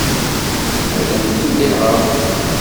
Ad am-t-id-aɣeɣ.